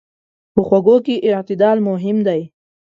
په خوږو کې اعتدال مهم دی.